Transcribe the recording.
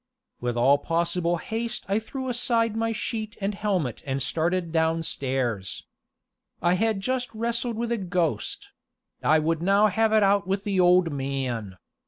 With all possible haste I threw aside my sheet and helmet and started downstairs. I had just wrestled with a ghost; I would now have it out with the old man.